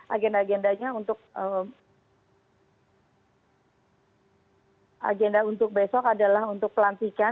agenda agendanya untuk besok adalah untuk pelantikan